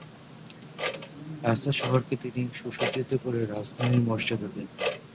লাসা শহরকে তিনি সুসজ্জিত করে রাজধানীর মর্যাদা দেন।